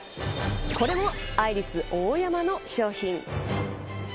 これもアイリスオーヤマの商品。